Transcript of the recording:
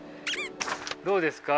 どうですか？